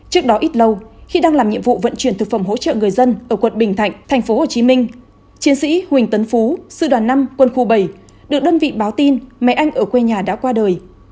trước đó ít lâu khi đang làm nhiệm vụ vận chuyển thực phẩm hỗ trợ người dân ở quận bình thạnh tp hcm chiến sĩ huỳnh tấn phú sư đoàn năm quân khu bảy được đơn vị báo tin mẹ anh ở quê nhà đã qua đời